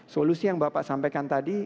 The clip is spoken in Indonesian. solusi yang bapak sampaikan tadi